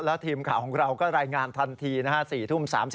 แล้วทีมข่าวของเราก็รายงานทันทีนะฮะ๔ทุ่ม๓๐